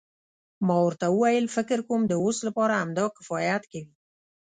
ما ورته وویل فکر کوم د اوس لپاره همدا کفایت کوي.